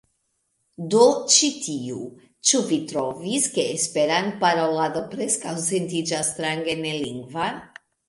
Do ĉi tiu, "Ĉu vi trovis ke Esperantparolado preskaŭ sentiĝas strange nelingva?"